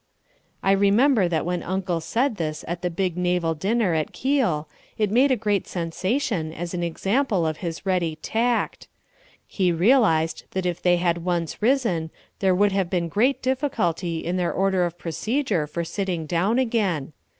I remember that when Uncle said this at the big naval dinner at Kiel it made a great sensation as an example of his ready tact. He realised that if they had once risen there would have been great difficulty in their order of procedure for sitting down again.